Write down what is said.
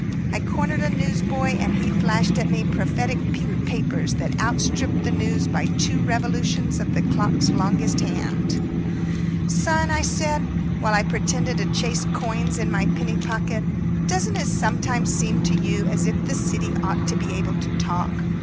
I cornered a newsboy and he flashed at me prophetic pink papers that outstripped the news by two revolutions of the clock's longest hand. "Son," I said, while I pretended to chase coins in my penny pocket, "doesn't it sometimes seem to you as if the city ought to be able to talk?